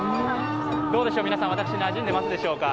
どうでしょう、皆さん、私なじんでいますでしょうか？